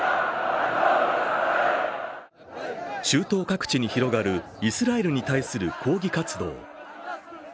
中東各地に広がるイスラエルに対する抗議活動。